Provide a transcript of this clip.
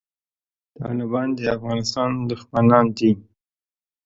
طالبان د افغانستان دښمنان دي